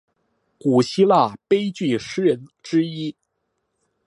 古希腊悲剧诗人之一。